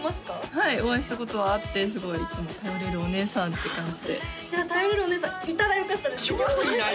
はいお会いしたことはあってすごいいつも頼れるお姉さんって感じでじゃあ頼れるお姉さんいたらよかったですね